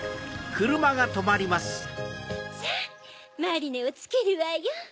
さぁマリネをつくるわよ。